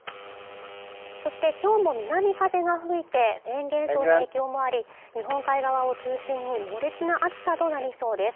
そして今日も南風が吹いてフェーン現象の影響もあり日本海側を中心に猛烈な暑さとなりそうです